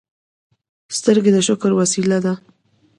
سترګې د شکر وسیله ده